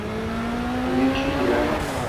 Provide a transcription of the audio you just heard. Yuichi Hirano